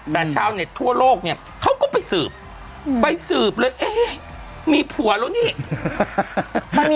แต่ชาวเน็ตทั่วโลกเนี่ยเขาก็ไปสืบไปสืบเลยเอ๊ะมีผัวแล้วนี่